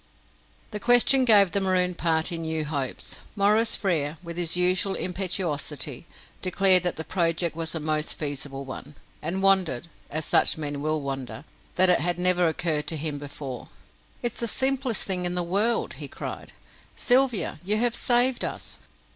The question gave the marooned party new hopes. Maurice Frere, with his usual impetuosity, declared that the project was a most feasible one, and wondered as such men will wonder that it had never occurred to him before. "It's the simplest thing in the world!" he cried. "Sylvia, you have saved us!"